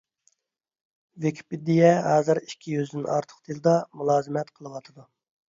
ۋىكىپېدىيە ھازىر ئىككى يۈزدىن ئارتۇق تىلدا مۇلازىمەت قىلىۋاتىدۇ.